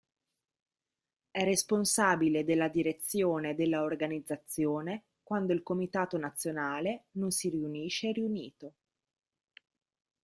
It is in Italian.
È responsabile della direzione della organizzazione quando il Comitato Nazionale non si riunisce riunito.